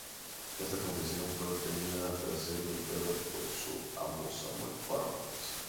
Esta confesión fue obtenida tras ser golpeada por su amo Samuel Parris.